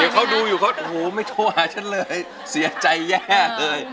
เขาดูอยู่เขาไม่โทรหาฉันเลยเสียใจแย่เลย